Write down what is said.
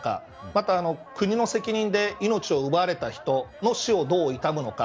また国の責任で命を奪われた人の死をどう悼むのか。